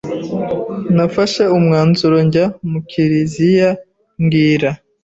Nafashe umwanzuro njya mu kiriziya mbwira